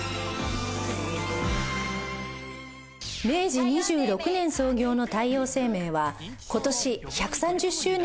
明治２６年創業の太陽生命は今年１３０周年を迎えます